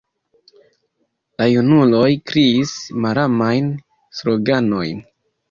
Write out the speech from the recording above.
La junuloj kriis malamajn sloganojn.